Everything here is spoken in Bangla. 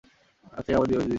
আজ থেকে আবার দ্বি-জাতি হলি।